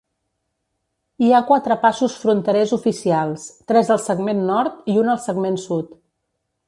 Hi ha quatre passos fronterers oficials, tres al segment nord i un al segment sud.